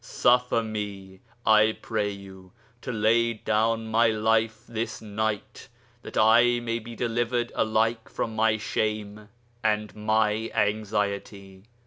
Suffer me, I pray you, to lay down my life this night, that I may be delivered alike from my shame and my anxiety.'